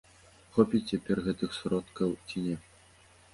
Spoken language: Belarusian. Хопіць цяпер гэтых сродкаў ці не?